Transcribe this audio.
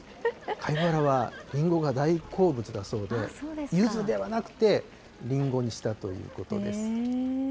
カピバラはりんごが大好物だそうで、ゆずではなくて、りんごにしたということです。